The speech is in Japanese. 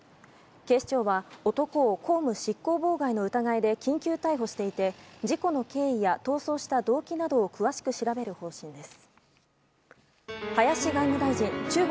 警視庁は男を公務執行妨害の疑いで緊急逮捕していて事故の経緯や逃走した動機などを詳しく調べる方針です。